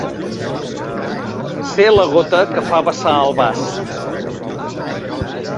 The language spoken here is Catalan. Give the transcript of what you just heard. Ser la gota que fa vessar el vas.